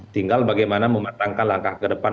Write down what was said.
tinggal bagaimana mematangkan langkah ke depan